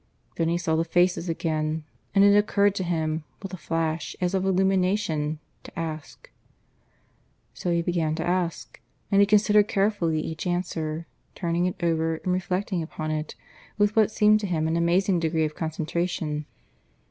Then he saw the faces again, and it occurred to him, with a flash as of illumination, to ask. So he began to ask; and he considered carefully each answer, turning it over and reflecting upon it with what seemed to him an amazing degree of concentration.